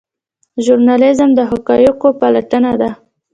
ژورنالیزم د حقایقو پلټنه ده